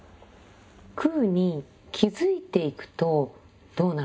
空に気づいていくとどうなるんですか？